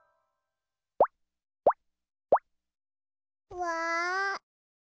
うわ。